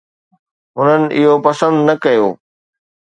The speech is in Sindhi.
هنن اهو پسند نه ڪيو.